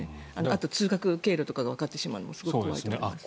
あと、通学経路とかがわかってしまうのもすごい怖いと思います。